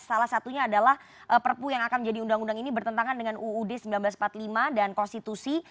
salah satunya adalah perpu yang akan menjadi undang undang ini bertentangan dengan uud seribu sembilan ratus empat puluh lima dan konstitusi